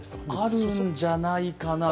あるんじゃないかな。